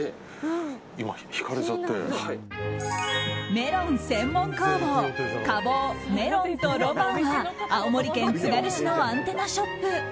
メロン専門工房果房メロンとロマンは青森県つがる市のアンテナショップ。